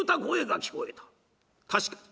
「確かに。